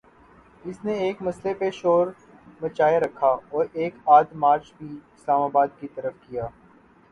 اس نے اس مسئلے پہ شور مچائے رکھا اور ایک آدھ مارچ بھی اسلام آباد کی طرف کیا۔